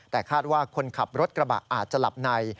แต่คาดว่าคนขับรถกระบะอาจจะหลับใน